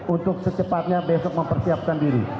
untuk secepatnya besok mempersiapkan diri